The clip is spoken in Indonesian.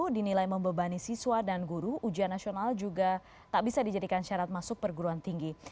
dinilai membebani siswa dan guru ujian nasional juga tak bisa dijadikan syarat masuk perguruan tinggi